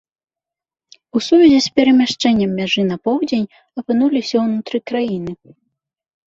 У сувязі з перамяшчэннем мяжы на поўдзень апынуліся унутры краіны.